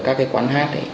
các quán hát